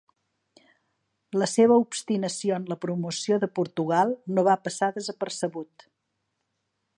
La seva obstinació en la promoció de Portugal no va passar desapercebut.